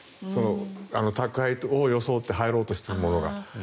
宅配を装って入ろうとしているというものが。